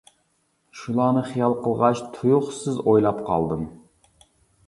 ! شۇلارنى خىيال قىلغاچ تۇيۇقسىز ئويلاپ قالدىم.